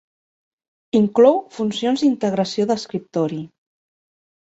Inclou funcions d'integració d'escriptori.